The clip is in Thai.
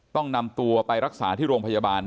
ต้องนำตัวไปรักษาที่โรงพยาบาล